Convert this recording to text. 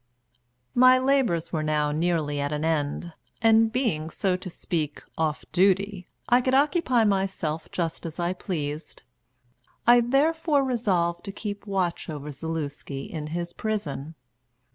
My labours were now nearly at an end, and being, so to speak, off duty, I could occupy myself just as I pleased. I therefore resolved to keep watch over Zaluski in his prison.